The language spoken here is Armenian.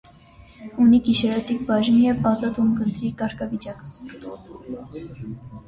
Ունի գիշերօթիկ բաժին և ազատ ունկնդրի կարգավիճակ։